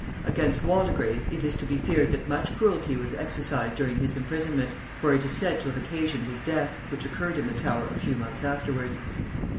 Against Waldegrave it is to be feared that much cruelty was exercised during his imprisonment; for it is said to have occasioned his death, which occurred in the Tower a few months afterwards.